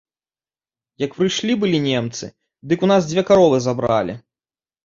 Як прыйшлі былі немцы, дык у нас дзве каровы забралі.